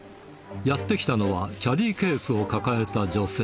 やって来たのは、キャリーケースを抱えた女性。